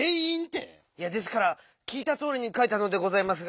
いやですからきいたとおりにかいたのでございますが。